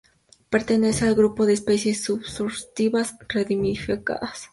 Pertenece al grupo de especies arbustivas ramificadas.